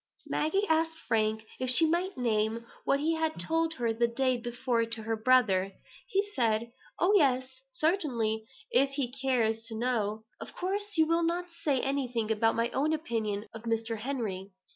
Maggie asked Frank if she might name what he had told her the day before to her brother. He said: "Oh, yes, certainly, if he cares to know. Of course, you will not say anything about my own opinion of Mr. Henry.